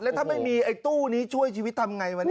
แล้วถ้าไม่มีตู้นี้ช่วยชีวิตทำอย่างไรวะนี่